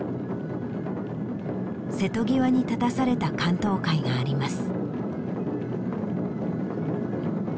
瀬戸際に立たされた竿燈会があります。